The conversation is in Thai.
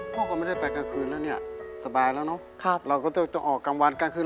พ่อก็ไม่ได้ไปกลางคืนแล้วเนี่ยสบายแล้วเนอะเราก็จะออกกลางวันกลางคืน